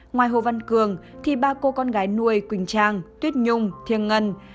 ngoài hồ văn cường thì ba cô con gái nuôi quỳnh trang tuyết nhung thiêng ngân